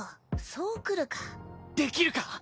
そうくるかできるか？